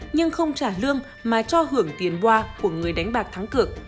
nhưng không trả lương mà cho hưởng tiền qua của người đánh bạc thắng cực